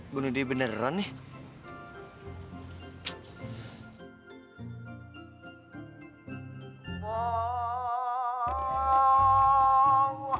bunuh diri beneran nih